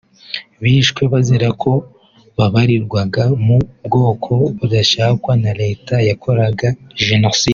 bishwe bazira ko babarirwaga mu bwoko budashakwa na Leta yakoraga Jenoside